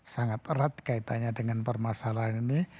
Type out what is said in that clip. sangat erat kaitannya dengan permasalahan ini